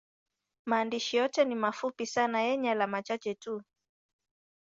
Maandishi yote ni mafupi sana yenye alama chache tu.